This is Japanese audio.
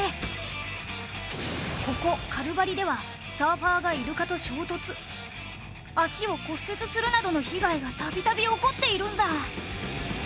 ここカルバリではサーファーがイルカと衝突脚を骨折するなどの被害が度々起こっているんだ。